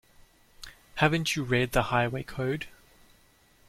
Haven't you read the Highway Code?